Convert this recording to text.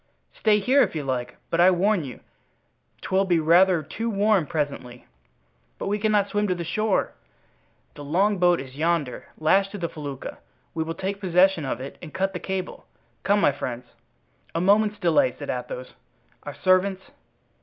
"Stay here, if you like, but I warn you 'twill be rather too warm presently." "But we cannot swim to the shore." "The longboat is yonder, lashed to the felucca. We will take possession of it and cut the cable. Come, my friends." "A moment's delay," said Athos; "our servants?"